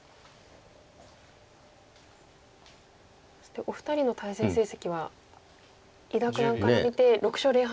そしてお二人の対戦成績は伊田九段から見て６勝０敗と。